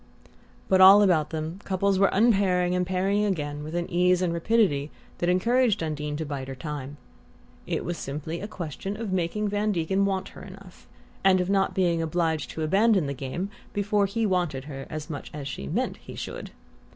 But all about them couples were unpairing and pairing again with an ease and rapidity that encouraged Undine to bide her time. It was simply a question of making Van Degen want her enough, and of not being obliged to abandon the game before he wanted her as much as she meant he should.